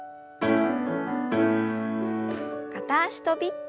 片脚跳び。